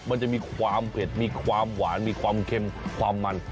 มันจะมีความเผ็ดมีความหวานมีความเค็มความมัน